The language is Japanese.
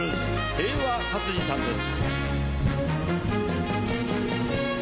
平和勝次さんです。